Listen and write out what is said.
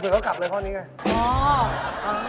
เผื่อเขากลับเลยข้อนี้ไง